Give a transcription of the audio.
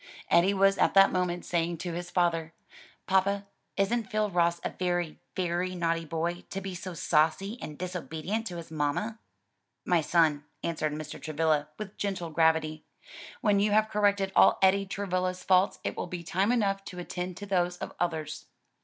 Eddie was at that moment saying to his father, "Papa, isn't Phil Ross a very, very naughty boy, to be so saucy and disobedient to his mamma?" "My son," answered Mr. Travilla with gentle gravity, "when you have corrected all Eddie Travilla's faults it will be time enough to attend to those of others."